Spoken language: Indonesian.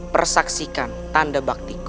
persaksikan tanda baktiku